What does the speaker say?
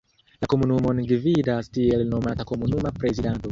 La komunumon gvidas tiel nomata komunuma prezidanto.